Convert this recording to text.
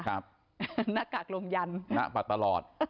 หน้ากากลงยันตร์ฝัดตลอด